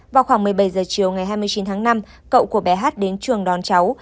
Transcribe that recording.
vào khoảng một mươi bảy h chiều ngày hai mươi chín tháng năm cậu của bé hát đến trường đón cháu